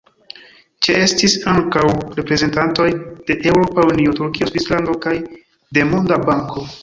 Ĉeestis ankaŭ reprezentantoj de Eŭropa Unio, Turkio, Svislando kaj de Monda Banko.